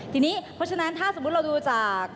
ทีนี้เพราะฉะนั้นถ้าสมมุติเราดูจาก